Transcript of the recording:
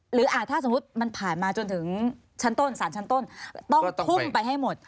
ถ้าสมมุติมันผ่านมาจนถึงชั้นต้นสารชั้นต้นต้องทุ่มไปให้หมด